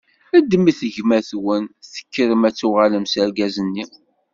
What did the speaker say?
Ddmet gma-twen, tekkrem ad tuɣalem s argaz-nni.